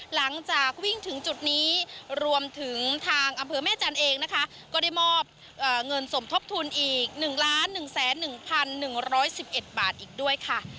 หลังจากวิ่งถึงจุดนี้รวมถึงทางอำเภอแม่จันทร์เองนะคะก็ได้มอบเงินสมทบทุนอีก๑๑๑๑๑๑๑๑๑๑บาทอีกด้วยค่ะ